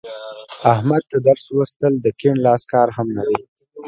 احمد ته درس لوستل د کیڼ لاس کار هم نه دی.